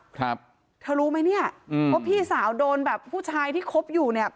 ครับเธอรู้ไหมเนี่ยอืมว่าพี่สาวโดนแบบผู้ชายที่คบอยู่เนี่ย